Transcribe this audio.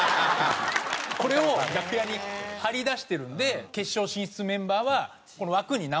これを楽屋に貼り出してるので決勝進出メンバーはこの枠に名前を書いて。